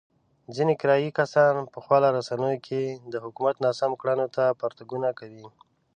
ځنې کرايي کسان په خواله رسينو کې د حکومت ناسمو کړنو ته پرتوګونه کوي.